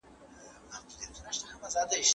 کړم ځکه دري دې لیکلې